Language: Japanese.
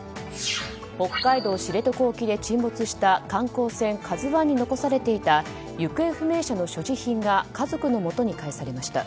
北海道知床沖で沈没した観光船「ＫＡＺＵ１」に残されていた行方不明者の所持品が家族のもとに返されました。